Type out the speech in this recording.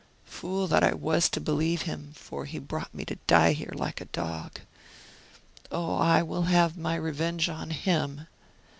Fool that I was to believe him, for he brought me to die here like a dog! Oh! I will have my revenge on him!"